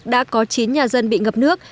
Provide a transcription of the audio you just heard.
đã có chín nhà dân bị ngập nước